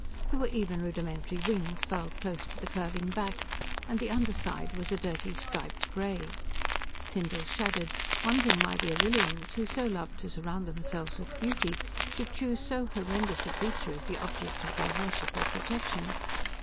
There were even rudimentary wings furled close to the curving back, and the underside was a dirty, striped gray. Tyndall shuddered, wondering why the Arrillians, who so loved to surround themselves with beauty, should choose so horrendous a creature as the object of their worship, or protection.